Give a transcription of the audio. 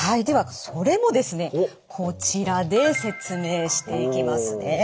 ではそれもですねこちらで説明していきますね。